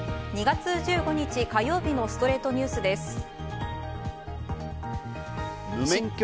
２月１５日、火曜日の『ストレイトニュース』です。